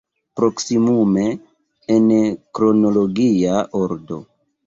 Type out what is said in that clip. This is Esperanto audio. Proksimume en kronologia ordo.